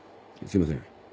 すいません。